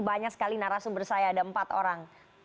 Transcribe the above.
banyak sekali narasumber saya ada empat orang